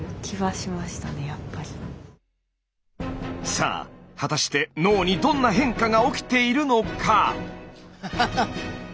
さあ果たして脳にどんな変化が起きているのか？